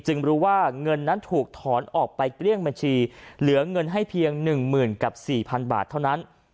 รู้ว่าเงินนั้นถูกถอนออกไปเกลี้ยงบัญชีเหลือเงินให้เพียง๑๐๐๐กับ๔๐๐บาทเท่านั้น